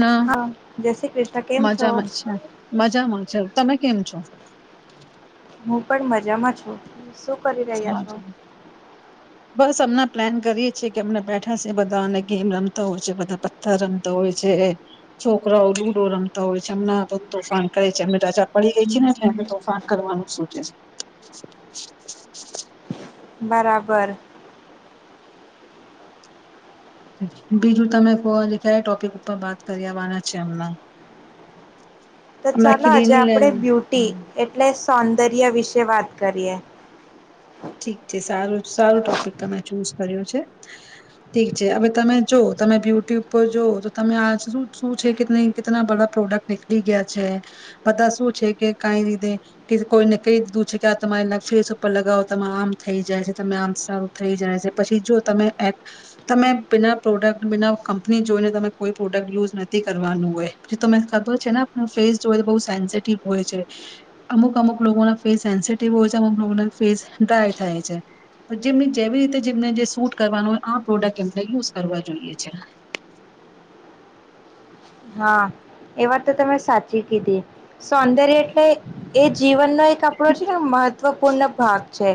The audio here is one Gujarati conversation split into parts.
ના હા જય શ્રી કૃષ્ણ કેમ છો મજામાં છે. મજા માં જ. તમે કેમ છો? હું પણ મજામાં છું. કરી રહ્યા છો. બસ અમના પ્લાન કરીએ છે, એ કે અમને બેઠા છે, બધા ગેમ રમતા હોય છે. બધા પથ્થર રમતા હોય છે. છોકરાઓ લુડો રમતા હોય છે. અમ તો તોફાન કરે છે. અમ રાજા પડી ગઈ છે, ને એ તોફાન કરવાનું શ છે. બરાબર. બીજું તમે કો કયા ટોપિક ઉપર બાત કરી આવવાના છ. હમણાં તો હમણાં ચાલો આજે ક્લીનીનેસ આપણેે બ્યુટી એટલે સૌંદર્ય વિશે વાત કરીએ. ઠીક છે. સારું સારું ટોપિક તમે ચૂઝ કર્યો છે ઠીક છે. હવે તમે જો તમે બ્યુટ્યુબ પર જઓ તો તમે આ શું છે, કે ન કેટના બડા પ્રોડક્ટ નીકળી ગયા છે બધા શું છે, કે કઈ રીતેે કે કોઈને કહી દીધું છે, કે આ તમારે ફેસ ઉપર લગાવ આમ થઈ જાય છે તમે આમ સારું થઈ જાય છે. પછી, જો તમે તમે બના પ્રોડક્ટ બના કંપની જોઈને તમે કોઈ પ્રોડક્ટ યુઝ નથી કરવાનું હોય પછી, તને ખબર છે. ને ફેસ જો તો બહુ સેન્સિટિવ હોય છે. અમુક અમુક લોકોના ફેસ સેન્સટિવ હોય છે. અમુક લોકોના ફેસ ડ્રાય થાય છે. તો જેમ જેવી રીતે જેમને જે સૂટ કરવાનું હોય. આ પ્રોડક્ટ એમને યુઝ કરવા જોઈએ છે હા, એ વાત તો તમે સાચી કીધી સોંદર્ય એટલે એ જીવનનો એક આપડો છે, ને મહત્વપૂર્ણ ભાગ છે.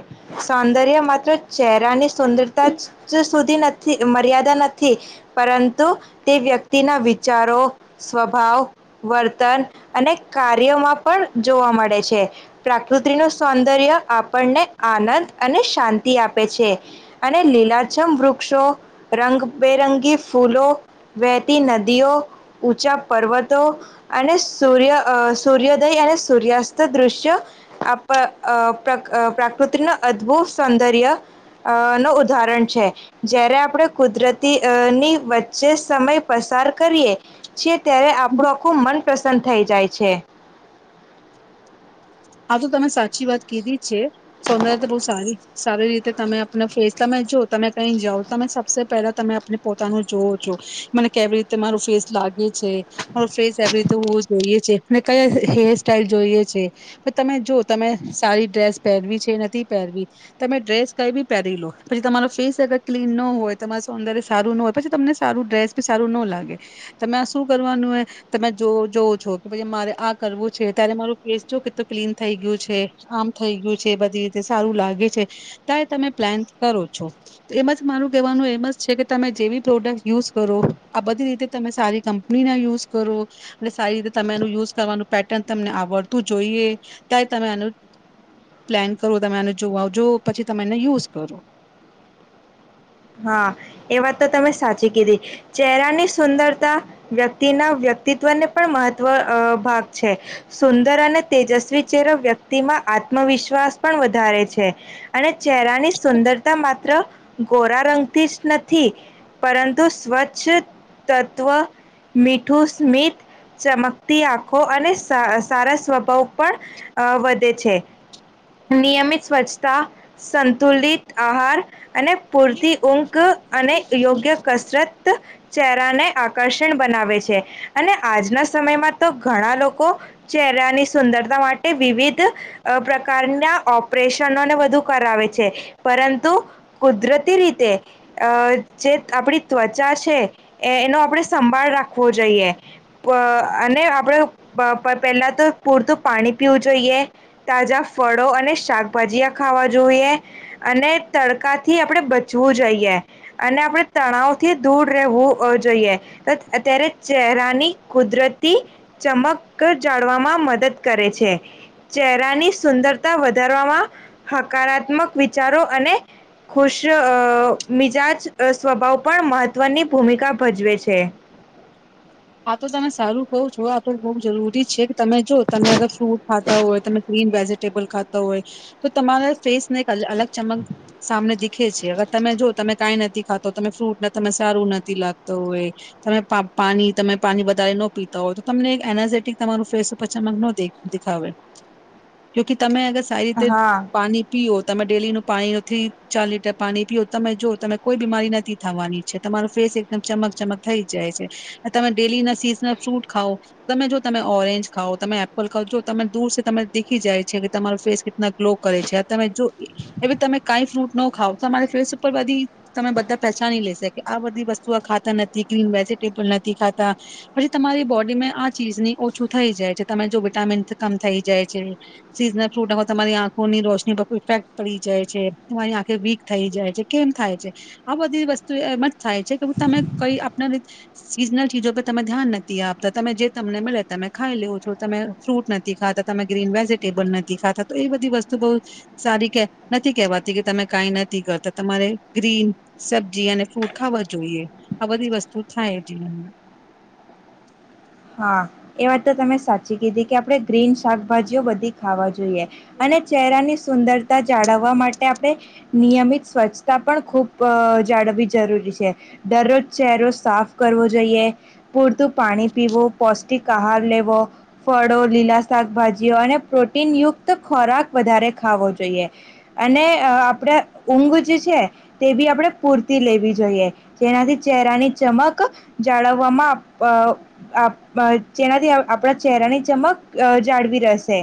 સૌંદર્ય માત્ર ચહેરાની સુંંદરતા જ સુધી નથી મર્યાદા નથી. પરંતુ, તે વ્યક્તિના વિચારો સ્વભાવ, વર્તન અને કાર્યોમાં પણ જોવા મળે છે. પ્રકૃતિનું સૌંદર્ય આપણને આનંદ અને શાંતિ આપે છે. અને લીલાછમ વૃક્ષો, રંગબેરંગી ફૂલો, વહેતી નદીઓ ઊંચા પર્વતો, અને સૂર્ય સૂર્યોદય, અને સૂર્યાસ્ત દૃશ્ય આપ પ્રાકૃતિનો અદભુત સૌંદર્ય અ ન ઉદાહરણ છે. જ્યારે, આપણે કુદરતીની વચ્ચે સમય પસાર કરીએ છીએ. ત્યારે, આપણું આખું મન પ્રસન્ન થઈ જાય છે. આ તો તમે સાચી વાત કીધી છે. સૌંદર્યતા બહ સારી સારી રીતે તમે આપણા ફેસ તમે જો તમે કઈ જાઓ તમે સબસે પહેલા તમે આપને પોતાનું જોવો છો. મને કેવી રીતે માર ફેસ લાગે છે. મા ફેસ એવી રીતે જોઈએ છે. અને કયા હેર સાઈલ જોઈએ છે. તમે જો તમે સારી ડ્રેસ પહેરવી છે, નથી પહેરવી. તમે ડ્રેસ કઈ બી પહેરી લો. પછી તમારો ફેસ અગર ક્લીન ન હોય, તમારે સંદર સારું ન હોય પછી, તમને સારું ડ્રેસ બી સારું ન લાગે. તમે આ શું કરવાનું હો, તમે જોવો છો કે પછી મારે આ કરવું છે. ત્યારે, મારું ફેસ જો તો ક્લીન થઈ ગયું છે. આમ થઈ ગયું છે. બધી રીતે સારું લાગે છે. તો એ તમે પ્લાન કરો છો. એમ જ મારું કહેવાનું એમ જ છે, કે તમે જે બી પ્રોડક્ટ યુઝ કરો. આ બધી રીતે તમે સારી કંપનીના યુઝ કરો. અને સારી રીતે તમે એનું યુઝ કરવાનું પેટર્ન તમને આવડતું જોઈએ ત્યારે તમે આનુ પ્લાન કરો તમે આ જોવાજ પછી તમે એ યુઝ કરો. હા એ વાત તો તમે સાચી કીધી. ચહેરાની સુંદરતા વ્યક્તિના વ્યક્તિત્વને પણ મહત્વ અ ભાગ છે. સુંદર અને તેજસ્વી ચહેરો વ્યક્તિમાં આત્મવિશ્વાસ પણ વધારે છે. અને ચહેરાની સુંદરતા માત્ર ગોરા રંગતી જ નથી. પરંતુ સ્વચ્છ તત્વ મીઠું સ્મિત ચમકતી આંખો અને સાર સારા સ્વભાવ પણ વધે છે. નિયમિત સ્વચ્છતા સંતુલિત આહાર અને પૂરતી ઊંક અને યોગ્ય કસરત ચહેરાને આકર્ષણ બનાવે છે. અને આજના સમયમાં તો ઘણા લોકો ચહેરાની સુંદરતા માટે વિવિધ અ પ્રકારના ઓપરેશનોને વધુ કરાવે છે. પરંતુ કુદરતી રી તે અ જે આપણી ત્વચા છે, એનો આપણે સંભાળ રાખવો જોઈએ. પ અને આપણે પ પ પહેલા તો પૂરતું પાણી પીવું જોઈએ, તાજા ફળો અને શાકભાજીયા ખાવા જોઈએ, અને તડકા થી આપણે બ ચવું જોવું જોઈએ. અને આપણે તણાવ થી દૂર રહેવું જોઈએ. ત ત્યારે ચહેરાની કુદરતી ચમક જાળવામાં મદદ કરે છે. ચહેરાની સુંદરતા વધારવામાં હકારાત્મક વિચારો અને ખુશ જ અ મિજાજ સ્વભાવ પણ મહત્વની ભૂમિકા ભજવે છે. આ તો તમે સારું કહો છો. આ તો બઉ જરૂરી છે. તમે જો તમે અગર ફ્રૂટ ખાતા હોય, તમે ગ્રીન વેજે ટેબલ ખાતા હોય. તો તમારા ફેસ ને એક અલગ ચમક સામને દેખે છે. અગર તમે જો તમે કાંઈ નથી ખાતો તમે ફ્રૂટ તમે સારું નથી લાગતો હોય તમે પા પાણી તમે પાણી વધારે ન પીતા હોય, તો તમને એક એનર્જેટિક તમારું ફેસ ઉપર ચમક ને દેખ દેખાવે. જોકે તમે અગર સારી રીતે હા પાણી પીવો તમે ડેલીનું પાણી થ્રી ચાર લીટર પાણી પીઓ તમે જો તમે કોઈ બીમારી નથી થવાની છે. તમારો ફેસ એકદમ ચમક ચમક થઈ જાય છે. તમે ડેલી ના સીઝનલ ફ્રૂટ ખાવો, તમે જો તમે ઓરેન્જ ખાવઓ તમે એપલ ખાવઓ જો તમે દૂર તરે દેખી જાય છે કે તમારો ફેસ કિતના ગ્લો કરે છે. તમે જો એ તમે કાંઈ ફ્રૂટ ન ખાવ તમારી ફેસ ઉપર બધી તમે બધા પહેચાની લેશે કે આ બધી વસ્તુ આ ખાતા નથી ક્લીન વેજીિટેબલ નથ થી ખાતા પછી તમારી બોડીમાં આ ચીઝની ઓછું થઈ જાય છે. તમે જો વિટામીન કમ થઈ જાય છે. સિઝનલ ફ્રૂટ હો તમારી આંખોની રોશની પર ઇફેક્ટ પડી જાય છે. તમારી આંખે વીક થઈ જાય છે. કેમ થાય છે? આ બધી વસ્તુ એમ જ થાય છે કે તમે કઈ આપ સીઝનલ ચીજો પર તમે ધ્યાન નથી આપતા. તમે જે તમને મળે તમે ખાઈ લેવો છો. તમે ફ્રૂટ નથી ખાતા. તમે ગ્રીન વેજીિટેબલ નથી ખાતા. તો એ બધી વસ્તુ બહું સારી કે નથી કેહેવાતી, કે તમે કઈ નથી કરતા તમારે ગ્રીન સબ્જી અને ફ્રૂટ ખાવા જોઈએ. આ બધી વસ્તુ થાય જીવન માં. હા એ વાત તો તમે સાચી કીધી કે આપડણે ગ્રીન શાકભાજીઓ બધી ખાવા જોઈએ અને ચહેરાની સુંદરતા જાળવવા માટે આપણે નિયમિત સ્વચ્છતા પણ ખૂબ જાળવવી જરૂરી છે. દરરોજ ચહેરો સાફ કરવો જોઈએ. પૂરતું પાણી પીવો. પૌષ્ટિક આહાર લેવો. ફળો, લીલા શાકભાજીઓ અને પ્રોટીનયુક્ત ખોરાક વધારે ખાવો જોઈએ. અને આપણે ઊંઘ જે છે તે બી આપણે પૂરતી લેવી જોઈએ. જેનાથી ચહેરાની ચમક જાળવવામાં આપ આપ જેનાથી આપણા ચહેરાની ચમક જાળવી રહેશે.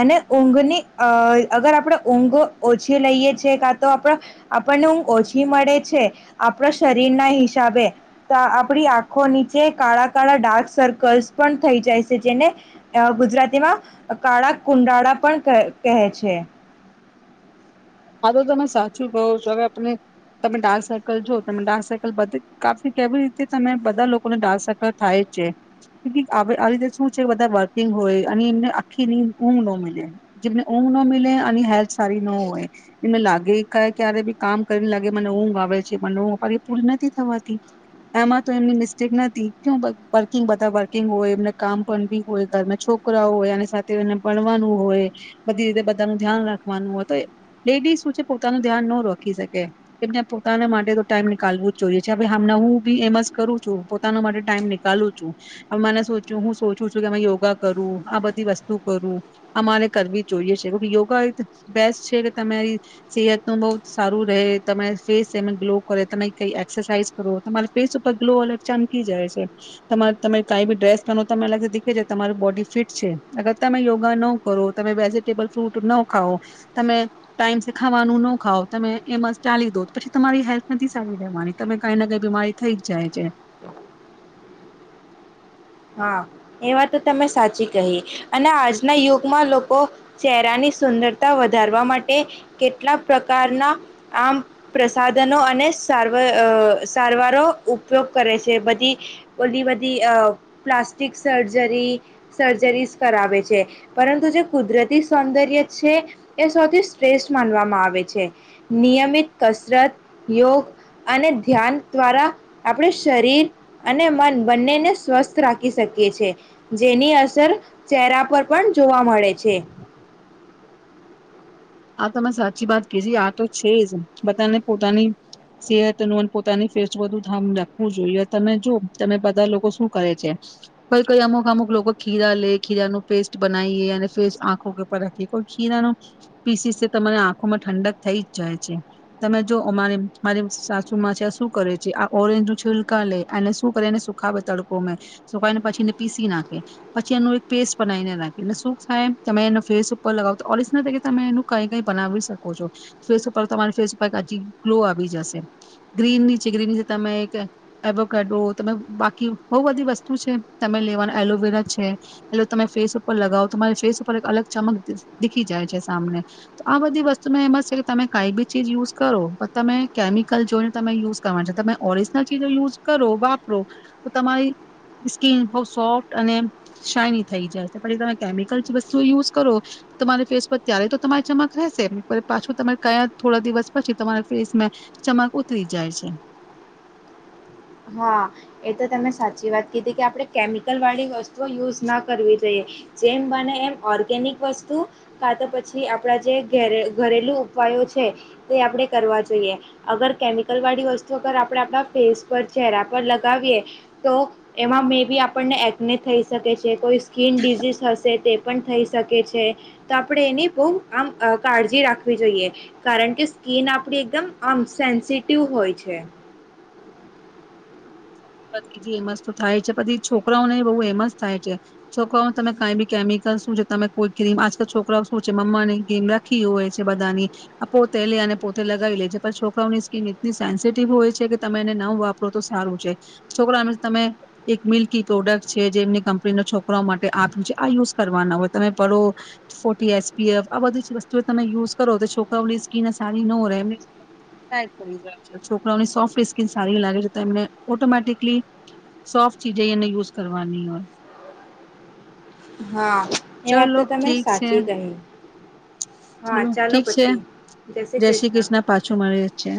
અને ઊંઘની અહ અગર આપણે ઊંઘ ઓછી લઈએ છીએ, કા તો આપ આપણને ઊંઘ ઓછી મળે છે, આપણા શરીરના હિસાબે તો આપણી આંખો નીચે કાળા કાળા ડાર્ક સર્કલ્સ પણ થઈ જાય છે. જેને ગુજરાતીમાં કાળા કુંડાળા પણ ક કહે છે. હા તો તમે સાચું કહો છો. હવે આપને તમે ડાર્ક સર્કલ જો તમે ડાર્ક સર્કલ બધ કાફી કેવી રીતે તમે બધા લોકોને ડાર્ક સર્કલ થાય જ છે. આ રીતે શું છે બધા વર્કિંગ હોય અને એમને આખી નીંદ ઊંઘ ન મિલે જેમને ઊંઘ ન મિલે અને હેલ્થ સારી ન હોય. એમને લાગે ક્યારે બી કામ કરને લાગે મને ઊંઘ આવે છે, મને [unintelligible] એ પૂરી નથી થવાતી. એમાં તો એમની મિસ્ટેક નથી. કે વર્કિંગ બધા વર્કિંગ હોય એમને કામ પણ બી હોય, ઘરમાં છોકરા હોય, અને સાથે એને ભણવાનું હોય, બધી રીતે બધાનું ધ્યાન રાખવાનું હોય, તો એ લેડીઝ શું છે, પોતાનું ધ્યાન ન રખી શકે. કેમ પોતાના માટે તો ટાઈમ નીકાળવું જ જોઈએ છે. હ હમણા હું બી એમ જ કરું છું. પોતાના માટે ટાઈમ નીકાલુ છું. હવે મને હું સોચું છું કે અ યોગા કરું. આ બધી વસ્તુ કરું. આ મારે કરવી જોઈએ છે. કે યોગા એક બેસ્ટ છે તમારી સેહત નું બહ સારું રહે. તમારી ફેસ એમે ગ્લો કરે તમે કઈ એક્સરસાઇઝ કરો તમારી ફેસ ઉપર ગ્લો અલગ ચમકી જાય છે. તમા તમે કાઈ બી ડ્રેસ બ તમે અલગ દેખે છે, તમાર બોડી ફિટ છે. અગર તમે યોગા ન કરો, તમે વેજીિટેબલ ફ્રૂટ ન ખાવ, તમે ટાઈમ સે ખાવાનું ન ખાવ. તમે એમાં ચાલી દો. પછી તમારી હેલ્થ નથી સારી રહેવાની. તમે કઈ ના કઈ બીમારી થઈ જ જાય છે. હા એ વા તો તમે સાચી કહી. અને આજના યુગમાં લોકો ચહેરાની સુંદરતા વધારવા માટે કેટલાક પ્રકારના આમ પ્રસાધનો અને સારવાર સારવારો ઉપયોગ કરે છે. બધી ઓલી બધી અ પ્લાસ્ટિક સર્જરી સર્જરી કરાવે છે. પરંતુ જે કુદરતી સૌંદર્ય છે, એ સૌથી શ્રેષ્ઠ માનવામાં આવે છે. નિયમિત કસરત યોગ અને ધ્યાન દ્વારા આપણે શરીર અને મન બંનેને સ્વસ્થ રાખી શકીએ છે. જેની અસર ચહેરા પર પણ જોવા મળે છે. આ તમે સાચી વાત કીજે આ તો છે જ. બધાને પોતાની સેહતનું અને પોતાની ફેસનું બધું ધન રાખવું જોઈએ. તમે જો તમે બધા લોકો શું કરે છે. કઈ કઈ અમુક અમુક લોકો ખીરા લે ખીરા નું પેસ્ટ બનાવીએ અને ફેસ આંખો ઉપર રાખીએ કોઈ ખીરાનું પીસી સે તમાર આંખોમાં ઠંડક થઈ જ જાય છે તમે જો અમારે મારી સાસુમાં છે શું કરે છે, આ ઓરેન્જ નું છીલકા લે અને શું કરે એને સુખાવે તડકોમેં સુખાવીને પછી એને પીસી નાખે પછી એનું એક પેસ્ટ બનાવીને નાખીને સુખાય તમે એને ફેસ ઉપર લગાવતા ઓરેન્જ ના તમે એનું કઈ કઈ બનાવી શકો છો ફેસ ઉપર તમારી ફેસ ઉપર એક હજી ગ્લો આવી જશે ગ્રીન ની છે ગ્રીનની તમે એક એબોકાડો તમે બાકી બઉુ બધી વસ્તુ છે તમે લેવાના એલોવેરા છે એટલે તમે ફેસ ઉપર લગાવો તો તમારી ફેસ ઉપર એક અલગ ચમક દીખી જાય છે. આમને તો આ બધી વસ્તુમાં એમ જ શે કે તમે કઈ બી ચીજ યુઝ કરો પણ તમે કેમિકલ જોઈને તમે યુઝ કરવાનો છે તમે ઓરિજિનલ ચીજો યુઝ કરો વાપરો તો તમારી સ્કીિન બઉ સોફ્ટ અને શાઈની થઈ જાય છે પછી તમે કેમિકલ વસ્તુ યુઝ કરો તમારી ફેસ પર ત્યારે તો તમારી ચમક રહેશે પાછું તમે કયા થોડા દિવસ પછી તમારા ફેસમાં ચમક ઉતરી જાય છે. હા, એ તો તમે સાચી વાત કીધી કે આપણે કેમિકલ વાળી વસ તું યુઝ ના કરવી જોયે. જેમ બને એમ ઓર્ગેનિક વસ્તુ કા તા પછી આપણા જેરે ઘરેલુ ઉપાયો છે તે આપણે કરવા જોઈએ અગર કેમિકલવાળી વસ્તુ અગર આપણે આપણા ફેસ પર ચહેરા પર લગાવીએ તો એમાં મે બી આપણને એકને થઈ શકે છે કોઈ સ્કીન ડિઝિઝ હશે તે પણ થઈ શકે છે તો આપણે એની બહુ આમ કાળજી રાખવી જોઈએ કારણ કે સ્કીિન આપણી એકદમ આમ સેન્સિટિવ હોય છે. [unintelligible] એમસ થાય છે પછી છોકરાઓને બહુ એમસ થાય છે. છોકરાઓ તમે કઈ ભી કેમિકલ શું છે તમે કોઈ ક્રીમ આજકાલ છોકરાઓ શું છે મમમાં ની ક્રીમ રાખી હોય છે બધાની આ પોતે લે અને પોતે લગાવી લે છે પણ છોકરાઓની સ્કીિન એટલી સેન્સિટિવ હોય છે કે તમે એને ન વાપરો તો સારું. [unintelligible] છોકરા તમે એક મિલ્કી પ્રોડક્ટ છે જે એમની કંપની ન છોકરાઓ માટે આપ્યું છે આ યુઝ કરવાના હોય તમે પેલો ફોર્ટી એસપીએફ આ બધી જ વસ્તુ તમે યુઝ કરો તો છોરાઓની સ્કીિન સારી નો રહે એ જાય છોકરાઓની સોફ્ટ સ્કીિન સારી લાગે છે એ ઓટોમેટિકલી સોફ્ટ ચીજ એને યુઝ કરવાની હોય. હા, એ વાત ચલો તો તમે ઠીક છે સાચી કહી. હા ચલો ચાલો ઠીક છે. પછી જય શ્રી કૃષ્ણ પાછું મળીએ છીએ.